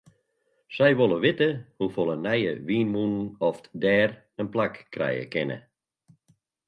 Sy wol witte hoefolle nije wynmûnen oft dêr in plak krije kinne.